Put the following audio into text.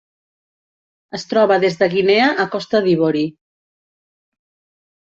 Es troba des de Guinea a Costa d'Ivori.